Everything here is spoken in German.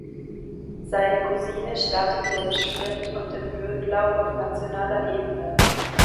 Seine Cousine startete im Sprint und ihm Hürdenlauf auf nationaler Ebene.